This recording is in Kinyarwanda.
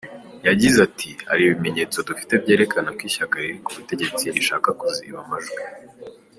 Yagize ati : “Hari ibimenyetso dufite byerekana ko ishyaka riri ku butegetsi rishaka kuziba amajwi.”